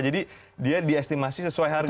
jadi dia diestimasi sesuai harga